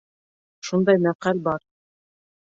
Шундай мәҡәл бар.